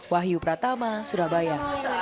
wahyu pratama surabaya